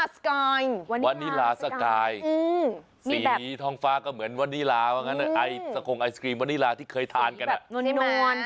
สีทองฟ้าก็เหมือนวานิลาสกงไอศกรีมวานิลาที่เคยทานกัน